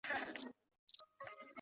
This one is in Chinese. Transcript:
米利都城可以说是被完全毁掉了。